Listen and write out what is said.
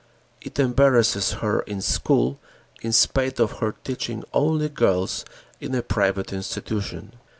It embarrasses her in school, in spite of her teaching only girls in a private institution.